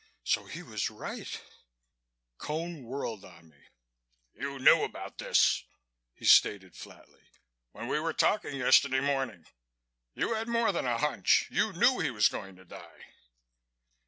"So he was right " Cone whirled on me. "You knew about this," he stated flatly "When we were talking yesterday morning. You had more than a hunch. You knew he was going to die."